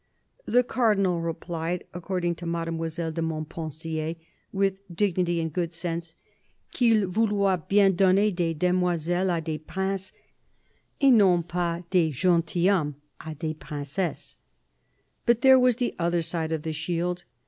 The Cardinal replied, according to Made moiselle de Montpensier, with dignity and good sense :" Qu'il vouloit bien donner des demoiselles a des princes, et non pas des gentilhommes a des princesses." But there was the other side of the shield.